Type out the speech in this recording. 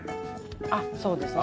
あっそうですね。